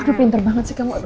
aduh pinter banget sih kamu